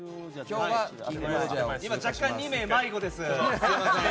今、若干２名迷子です。